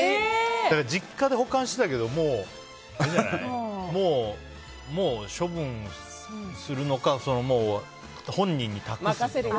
実家で保管してたけどもう、処分するのかもう、本人に託す。